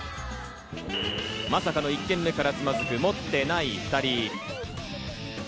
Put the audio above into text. まさかの１軒目からつまずく持ってない２人。